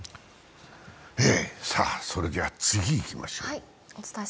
それでは次にいきましょう。